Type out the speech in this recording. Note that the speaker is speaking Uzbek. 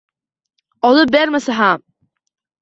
Olib bermasa ham